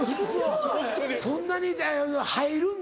そんなに入るんだ。